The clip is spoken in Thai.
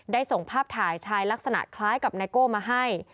ส่งภาพถ่ายชายลักษณะคล้ายกับไนโก้มาให้